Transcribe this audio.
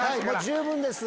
十分です。